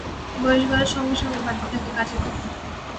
বয়স বাড়ার সঙ্গে সঙ্গে বাড়তে থাকে কাজের দক্ষতা।